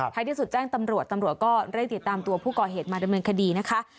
ที่สุดแจ้งตำรวจตำรวจก็เร่งติดตามตัวผู้ก่อเหตุมาดำเนินคดีนะคะ